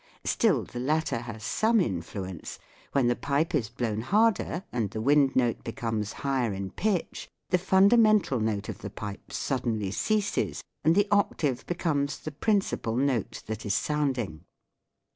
Still, the latter has some influence : when the pipe is blown harder, and the wind note becomes higher in pitch, the fundamental note of the pipe suddenly ceases and the octave becomes the principal note that is sounding.